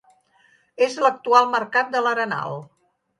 És l'actual Mercat de l'Arenal.